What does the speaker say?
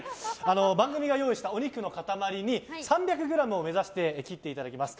番組が用意したお肉の塊に３００ｇを目指して切っていただきます。